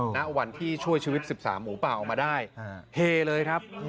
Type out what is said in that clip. ณวันที่ช่วยชีวิต๑๓หมูป่าออกมาได้เฮเลยครับ